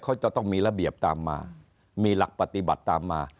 เขาจะต้องมีระเบียบตามมามีหลักปฏิบัติตามมา